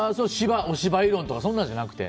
芝居論とかそんなんじゃなくて？